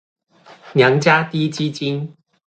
娘家滴雞精